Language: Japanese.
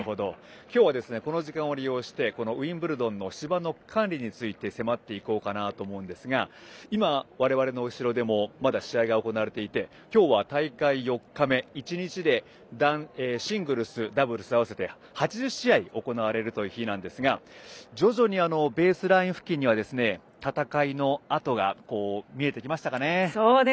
今日はこの時間を利用してウィンブルドンの芝の管理について迫っていこうかなと思うんですが今、我々の後ろでもまだ試合が行われていて今日は大会４日目１日でシングルスダブルス合わせてあわせて８０試合行われるという日なんですが徐々にベースライン付近には戦いの跡が見えてきましたかね。